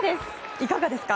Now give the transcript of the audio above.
いかがですか？